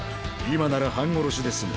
今なら半殺しで済む。